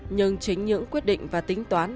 nhưng chính những quyết định và tính tính của israel